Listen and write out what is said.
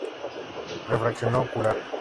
Refracción ocular.